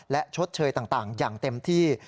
และชดเชยต่างอย่างเต็มที่